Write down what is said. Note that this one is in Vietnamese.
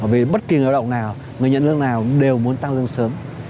về bất kỳ người lao động nào người nhận lương nào đều muốn tăng lương sớm